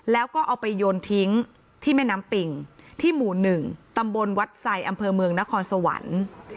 แล้วก็เอาไปโยนทิ้งที่แม่น้ำปิ่งที่หมู่๑ตำบลวัดไซอำเภอเมืองนครสวรรค์